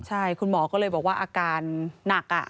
ใช่คุณหมอก็เลยบอกว่าอาการหนัก